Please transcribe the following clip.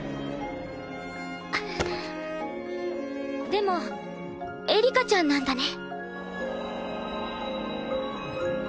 でもエリカちゃんなんだね。